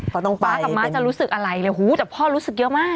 พอตรงป๊ากับม้าจะรู้สึกอะไรเลยหูแต่พ่อรู้สึกเยอะมาก